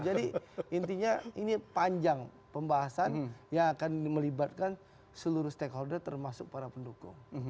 jadi intinya ini panjang pembahasan yang akan melibatkan seluruh stakeholder termasuk para pendukung